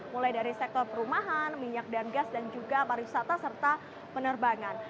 mulai dari sektor perumahan minyak dan gas dan juga pariwisata serta penerbangan